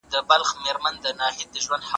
ځمکه اوس بدلون مومي.